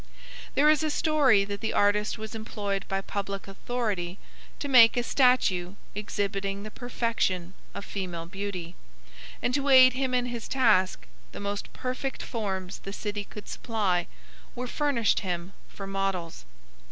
There is a story that the artist was employed by public authority to make a statue exhibiting the perfection of female beauty, and to aid him in his task the most perfect forms the city could supply were furnished him for models.